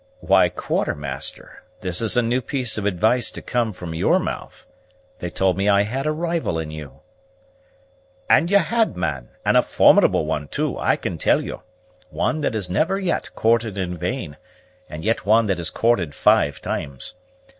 "Why, Quartermaster, this is a new piece of advice to come from your mouth. They've told me I had a rival in you." "And ye had, man, and a formidible one, too, I can tell you, one that has never yet courted in vain, and yet one that has courted five times.